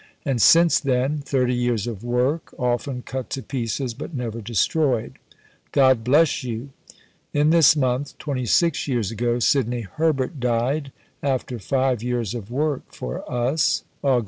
And since then, 30 years of work often cut to pieces but never destroyed. God bless you! In this month 26 years ago, Sidney Herbert died, after five years of work for us (Aug.